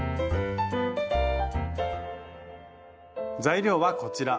材料はこちら。